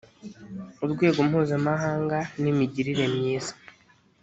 urwego mpuzamahanga n imigirire myiza